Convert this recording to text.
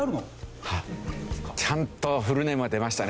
ちゃんとフルネームが出ましたね。